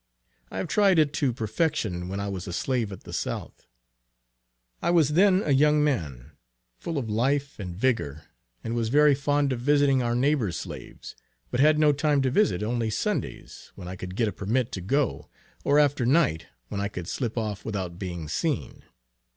I have tried it to perfection when I was a slave at the South. I was then a young man, full of life and vigor, and was very fond of visiting our neighbors slaves, but had no time to visit only Sundays, when I could get a permit to go, or after night, when I could slip off without being seen.